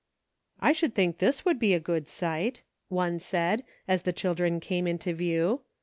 " I should think this would be a good site," one said, as the children came into view.